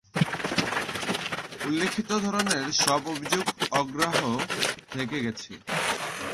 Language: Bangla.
উল্লিখিত ধরনের সব অভিযোগ অগ্রাহ্য থেকে গেছে।